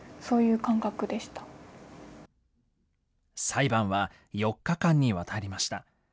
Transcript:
裁判は４日間にわたりました。